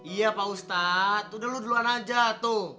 iya pak ustadz udah lu duluan aja tuh